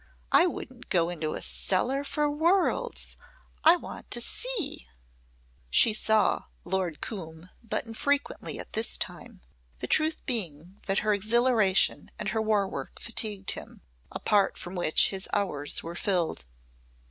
I wouldn't go into a cellar for worlds. I want to see!" She saw Lord Coombe but infrequently at this time, the truth being that her exhilaration and her War Work fatigued him, apart from which his hours were filled.